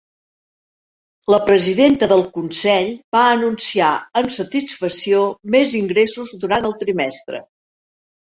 La presidenta del consell va anunciar amb satisfacció més ingressos durant el trimestre.